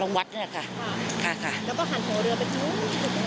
แล้วก็หันหัวเรือไปทุ่มทุ่มทุ่ม